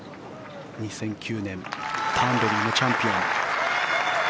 ２００９年ターンベリーのチャンピオン。